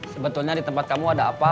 sebetulnya di tempat kamu ada apa